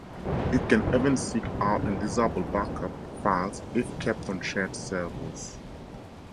It can even seek out and disable backup files if kept on shared servers.